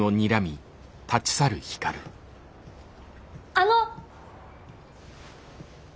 あの！